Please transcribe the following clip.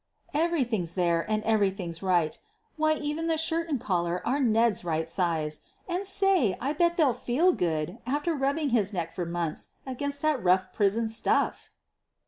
Everything's there and every thing's right. Why, even the shirt and collar are Ned's right size, and, say, I bet they'll feel goodl after rubbing his neck for months against that rough prison stuff."